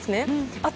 あと